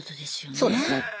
そうですね。